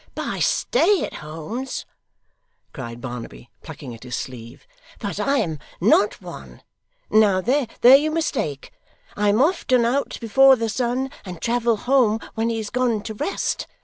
'By stay at homes!' cried Barnaby, plucking at his sleeve. 'But I am not one. Now, there you mistake. I am often out before the sun, and travel home when he has gone to rest.